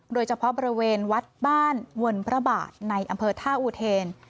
โดยเฉพาะบริเวณวัดบ้านวนพระบาทในอำเภอท่าอุเทน